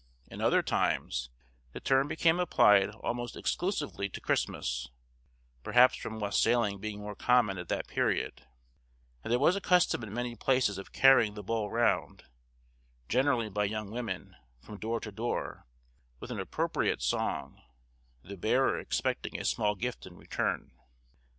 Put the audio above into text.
In after times the term became applied almost exclusively to Christmas, perhaps from wassailing being more common at that period, and there was a custom in many places of carrying the bowl round, generally by young women, from door to door, with an appropriate song, the bearer expecting a small gift in return.